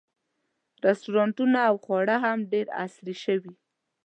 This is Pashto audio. رسټورانټونه او خواړه هم ډېر عصري شوي.